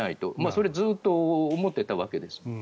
それをずっと思ってたわけです。